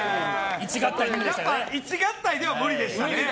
１合体では無理でしたね。